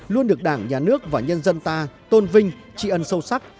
luôn được đảng nhà nước và nhân dân ta tôn vinh tri ân sâu sắc